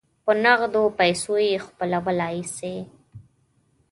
په نغدو پیسو یې خپلولای سی.